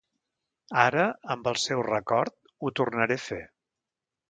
Ara, amb el seu record, ho tornaré a fer.